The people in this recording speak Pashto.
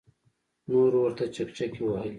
نورو ورته چکچکې وهلې.